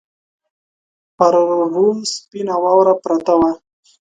پر غرو سپینه واوره پرته وه